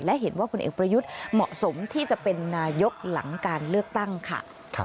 และเห็นว่าผลเอกประยุทธ์เหมาะสมที่จะเป็นนายกหลังการเลือกตั้งค่ะ